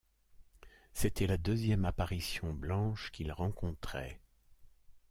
C’était la deuxième apparition blanche qu’il rencontrait.